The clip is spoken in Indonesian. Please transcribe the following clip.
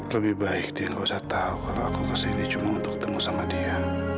lebih baik dia gak usah tahu kalau aku kesini cuma untuk ketemu sama dia